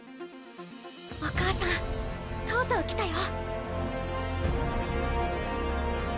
お母さんとうとう来たよ。